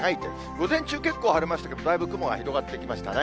午前中、結構晴れましたけど、だいぶ雲が広がってきましたね。